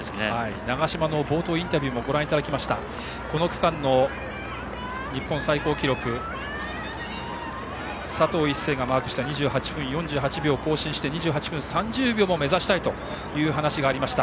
長嶋の冒頭インタビューもご覧いただきましたがこの区間の日本最高記録佐藤一世がマークした２８分４８秒を更新して２８分３０秒も目指したいという話がありました。